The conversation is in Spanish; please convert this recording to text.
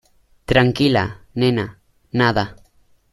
tranquila, nena. nada .